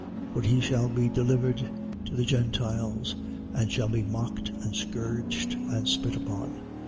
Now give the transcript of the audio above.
18:32. For he shall be delivered to the Gentiles and shall be mocked and scourged and spit upon.